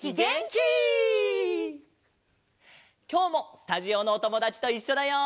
きょうもスタジオのおともだちといっしょだよ！